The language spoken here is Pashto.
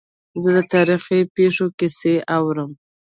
زه د تاریخي پېښو کیسې اورم.